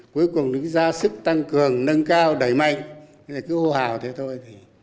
cuối cùng nó như ra sức tăng cường nâng cao đẩy mạnh cứ ưu hào thế thôi